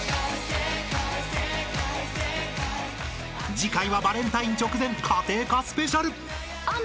［次回はバレンタイン直前家庭科ＳＰ］